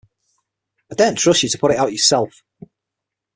I daren’t trust you to put it out yourself.